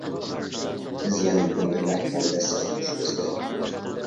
بىز يەنە بۈگۈندە مەھكەم دەسسەپ تۇرۇشىمىز كېرەك.